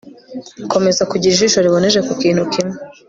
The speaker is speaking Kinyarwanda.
komeza kugira ijisho riboneje ku kintu kimwe